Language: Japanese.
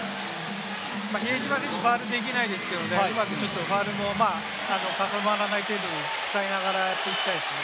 比江島選手、ファウルができないですけれども、重ならない程度に使いながらいきたいですね。